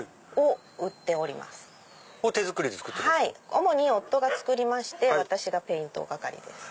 主に夫が作りまして私がペイント係です。